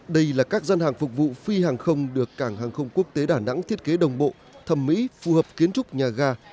đây là các gian hàng phục vụ phi hàng không được cảng hàng không quốc tế đà nẵng thiết kế đồng bộ thẩm mỹ phù hợp kiến trúc nhà ga